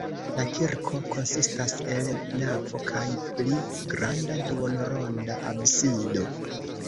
La kirko konsistas el navo kaj pli granda duonronda absido.